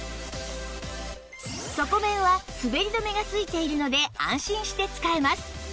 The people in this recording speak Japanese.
底面はすべり止めが付いているので安心して使えます